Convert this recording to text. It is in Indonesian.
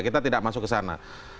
kita tidak masuk ke sana